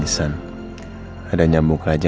gimana kita akan menikmati rena